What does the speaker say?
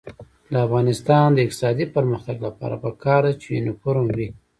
د افغانستان د اقتصادي پرمختګ لپاره پکار ده چې یونیفورم وي.